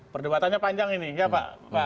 perdebatannya panjang ini ya pak